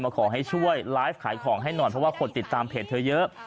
ขอให้ช่วยไลฟ์ขายของให้หน่อยเพราะว่าคนติดตามเพจเธอเยอะ